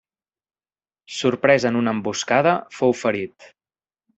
Sorprès en una emboscada, fou ferit.